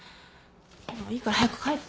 もういいから早く帰って。